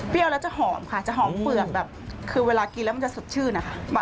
แล้วจะหอมค่ะจะหอมเปลือกแบบคือเวลากินแล้วมันจะสดชื่นนะคะ